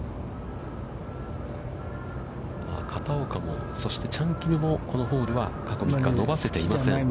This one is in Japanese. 片岡も、そしてチャン・キムも、このホールは過去３日、伸ばせていません。